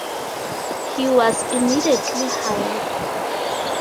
He was immediately hired.